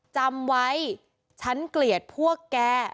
จำไว้ฉันเกลียดพวกแก